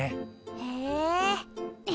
へえ。